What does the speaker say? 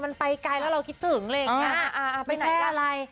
มันไปไกลแล้วเราคิดถึงเลย